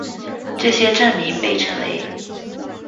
这些证明被称为。